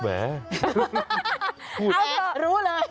อ้าวเผื่อรู้เลย